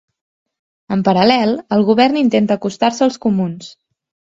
En paral·lel, el govern intenta acostar-se als comuns.